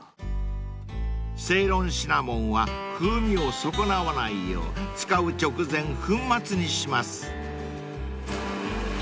［セイロンシナモンは風味を損なわないよう使う直前粉末にします］